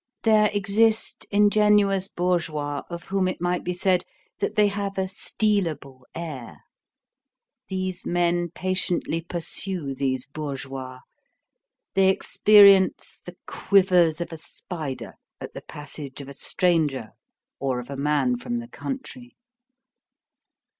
There exist ingenuous bourgeois, of whom it might be said, that they have a "stealable" air. These men patiently pursue these bourgeois. They experience the quivers of a spider at the passage of a stranger or of a man from the country.